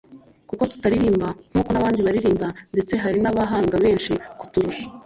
kuko turarimba nk’uko n’abandi baririmba ndetse hari n’abahanga benshi kuturusha